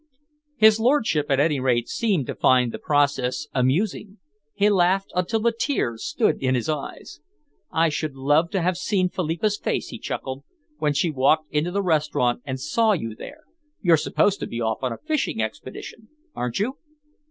His lordship at any rate seemed to find the process amusing. He laughed until the tears stood in his eyes. "I should love to have seen Philippa's face," he chuckled, "when she walked into the restaurant and saw you there! You're supposed to be off on a fishing expedition, aren't you?"